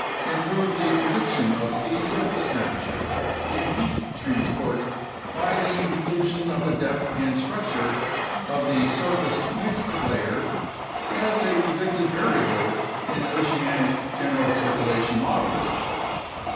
Improve the prediction of sea surface temperature and heat transport by the inclusion of the depth and structure of the surface mixed layer as a predicted variable in oceanic general circulation models.